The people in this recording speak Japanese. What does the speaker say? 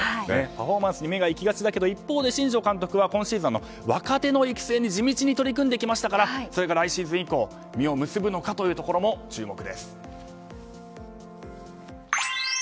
パフォーマンスに目が行きがちですが新庄監督は一方今シーズンは若手の育成に地道に取り組んできましたからそれが来シーズン以降実を結ぶのかというところも注目です。